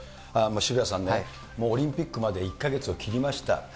渋谷さんね、オリンピックまで１か月を切りました。